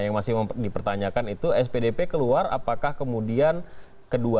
yang masih dipertanyakan itu spdp keluar apakah kemudian kedua